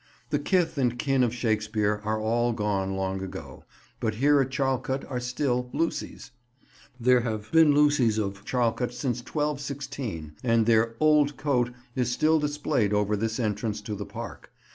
The kith and kin of Shakespeare are all gone long ago, but here at Charlecote are still Lucys. There have been Lucys of Charlecote since 1216, and their "old coat" is still displayed over this entrance to the park.